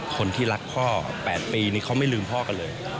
คนที่รักพ่อ๘ปีนี่เขาไม่ลืมพ่อกันเลย